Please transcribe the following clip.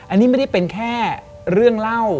อันนี้ไม่ได้เป็นแค่เรื่องเล่า